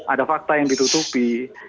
ada fakta yang ditutupi